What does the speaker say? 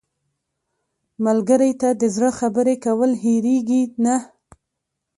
ملګری ته د زړه خبرې کول هېرېږي نه